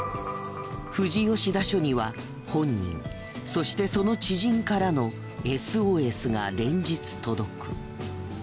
富士吉田署には本人そしてその知人からのＳＯＳが連日届く。